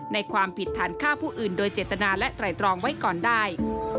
ความผิดฐานฆ่าผู้อื่นโดยเจตนาและไตรตรองไว้ก่อนได้